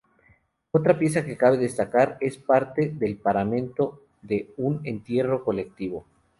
Otra pieza que cabe destacar es parte del paramento de un entierro colectivo.